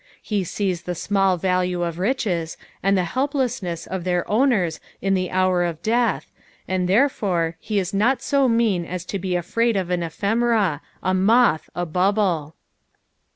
He sees the small value of riches, and the helplessness of their owners in the hour of death, and therefore he is not bo mean as to be afraid of an ephemera, a moth, a bubble.